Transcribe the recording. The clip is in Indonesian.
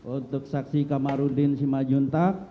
untuk saksi kamarudin simajunta